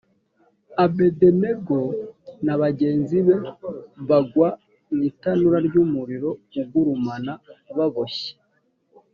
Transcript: abedenego na bagenzi be bagwa mu itanura ry’umuriro ugurumana baboshye